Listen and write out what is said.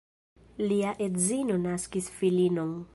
Lia edzino naskis filinon.